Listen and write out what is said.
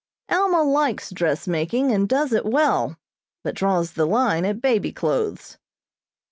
Alma likes dressmaking, and does it well, but draws the line at baby clothes.